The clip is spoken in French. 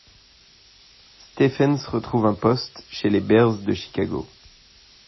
Stephens retrouve un poste, chez les Bears de Chicago.